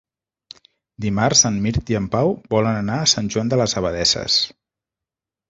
Dimarts en Mirt i en Pau volen anar a Sant Joan de les Abadesses.